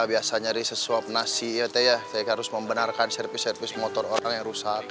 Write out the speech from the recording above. biasa nyari sesuap nasi ya teh ya saya harus membenarkan servis servis motor orang yang rusak